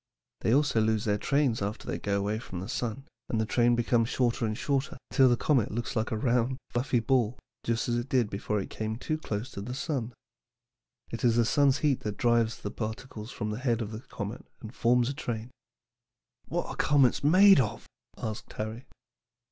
They also lose their trains after they go away from the sun, and the train becomes shorter and shorter, till the comet looks like a round, fluffy ball, just as it did before it came too near the sun. It is the sun's heat that drives the particles from the head of the comet and forms a train." "What are comets made of?" asked Harry.